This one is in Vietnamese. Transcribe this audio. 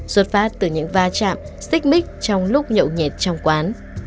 xuất phát từ những va chạm xích mít trong lúc nhậu nhẹt trong quán